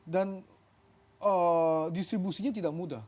dan distribusinya tidak mudah